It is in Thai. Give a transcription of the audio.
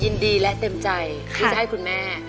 ยินดีและเต็มใจที่จะให้คุณแม่